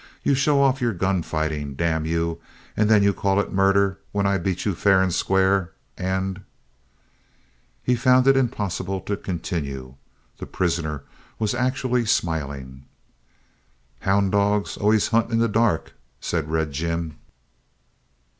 You show off your gun fighting, damn you, and then you call it murder when I beat you fair and square and " He found it impossible to continue. The prisoner was actually smiling. "Hound dogs always hunt in the dark," said Red Jim.